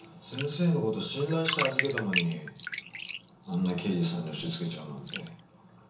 先生の事信頼して預けたのにあんな刑事さんに押し付けちゃうなんて。